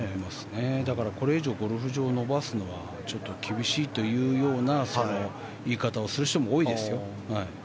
だからこれ以上ゴルフ場を延ばすのはちょっと厳しいというような言い方をする人も多いですよ。